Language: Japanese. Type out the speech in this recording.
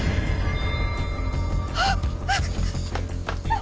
あっ！